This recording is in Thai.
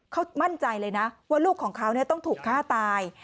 เขามั่นใจเลยนะว่าลูกของเขาต้องถูกฆ่าตาย